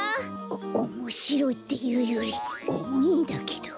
おおもしろいっていうよりおもいんだけど。